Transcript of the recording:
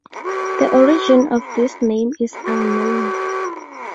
The origin of this name is unknown.